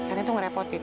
karena itu ngerepotin